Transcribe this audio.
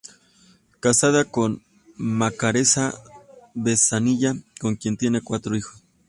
Casado con Macarena Bezanilla, con quien tiene cuatro hijos.